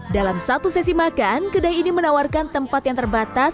dalam satu sesi makan kedai ini menawarkan tempat yang terbatas